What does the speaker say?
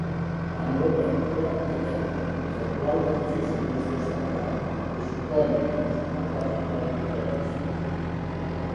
En Robert era arquitecte, del qual l'edifici més destacat és Collyers, una casa prop de Petersfield.